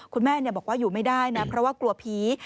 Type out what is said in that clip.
คุณแม่บอกว่าอยู่ไม่ได้นะเพราะว่ากลัวผี